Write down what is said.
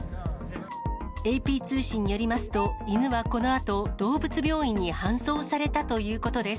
ＡＰ通信によりますと、犬はこのあと動物病院に搬送されたということです。